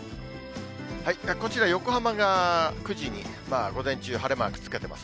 こちら、横浜が９時に、午前中、晴れマークつけてます。